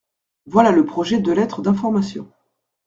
Voilà le projet de lettre d’information.